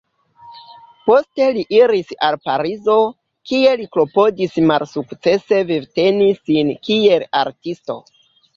Poste li iris al Parizo, kie li klopodis malsukcese vivteni sin kiel artisto.